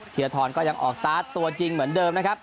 ธีรทรก็ยังออกสตาร์ทตัวจริงเหมือนเดิมนะครับ